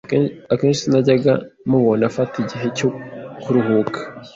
akenshi sinajyaga mubona afata igihe cyo kuruhuka